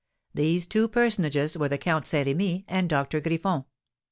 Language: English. These two personages were the Count Saint Remy and Doctor Griffon.